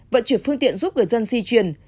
vận chuyển phương tiện giúp người dân di chuyển